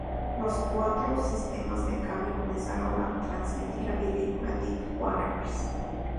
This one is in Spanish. Los cuatro sistemas de cable comenzaron a trasmitir la película "Deep Waters".